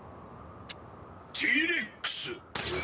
ティーレックス！